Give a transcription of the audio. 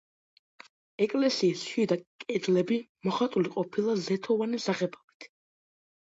ეკლესიის შიდა კედლები მოხატული ყოფილა ზეთოვანი საღებავით.